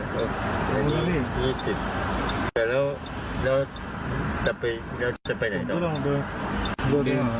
ก็ลองดูดูดูเหอะยาก